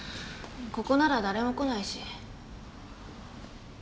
ここなら誰も来ないし。